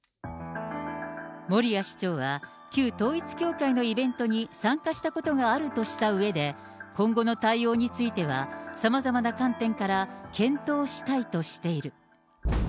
守屋市長は、旧統一教会のイベントに参加したことがあるとしたうえで、今後の対応については、さまざまな観点から検討したいとしている。